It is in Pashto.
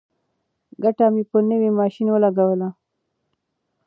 ګټه مې په نوي ماشین ولګوله.